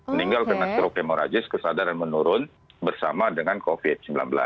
meninggal kena stroke hemorrhagis kesadaran menurun bersama dengan covid sembilan belas